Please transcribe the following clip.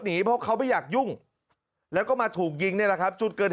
หนีเพราะเขาไม่อยากยุ่งแล้วก็มาถูกยิงนี่แหละครับจุดเกิด